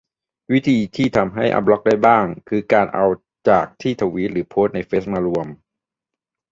วิธีที่ทำให้อัปบล็อกได้บ้าง คือการเอาจากที่ทวีตหรือโพสต์ในเฟซมารวม